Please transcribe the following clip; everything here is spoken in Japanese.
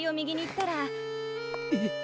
えっ？